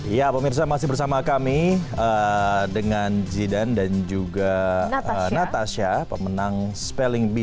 ya pak mirsa masih bersama kami dengan zidan dan juga natasya pemenang spelling bee